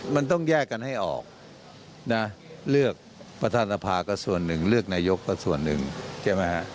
มันต้องแยกกันให้ออกนะเลือกประธานสภาก็ส่วนหนึ่งเลือกนายกก็ส่วนหนึ่งใช่ไหมฮะ